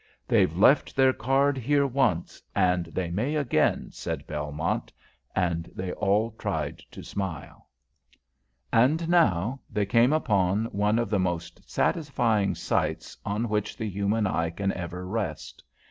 "They've left their card here once, and they may again," said Belmont, and they all tried to smile. And now they came upon one of the most satisfying sights on which the human eye can ever rest.